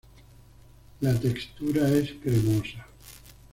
La textura es cremosa.